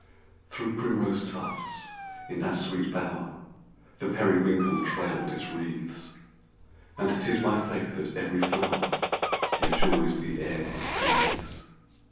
Through primrose tufts, in that sweet bower, The periwinkle trail'd its wreaths; And 'tis my faith that every flower Enjoys the air it breathes.